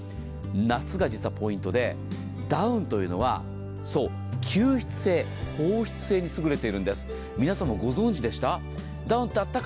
夏が実はポイントで、ダウンというのは吸湿性、放湿性にも優れているんです、ご存じでしたか？